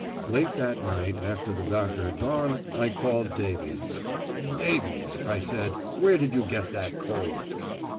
Late that night, after the doctor had gone, I called Davies. "Davies," I said, "where did you get that coal?"